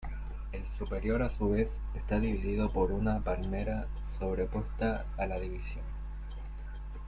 El superior a su vez está dividido por una palmera sobrepuesta a la división.